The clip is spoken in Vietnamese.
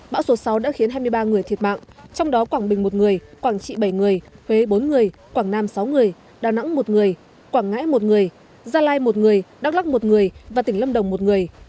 bão số sáu đã khiến hai mươi ba người thiệt mạng trong đó quảng bình một người quảng trị bảy người huế bốn người quảng nam sáu người đà nẵng một người quảng ngãi một người gia lai một người đắk lắc một người và tỉnh lâm đồng một người